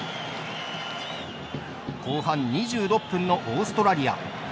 後半２６分のオーストラリア。